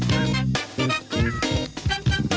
โปรดติดตามตอนต่อไป